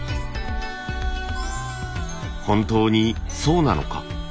本当にそうなのか。